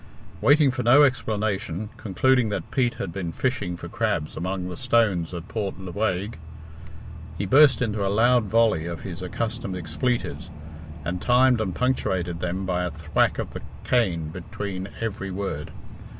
Waiting for no explanation, concluding that Pete had been fishing for crabs among the stones of Port Lewaigue, he burst into a loud volley of his accustomed expletives, and timed and punctuated them by a thwack of the cane between every word.